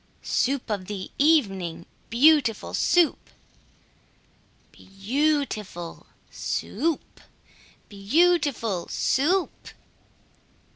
Soup of the evening, beautiful Soup! Beau ootiful Soo oop! Beau ootiful Soo oop!